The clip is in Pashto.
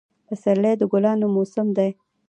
پسرلی د ګلانو موسم دی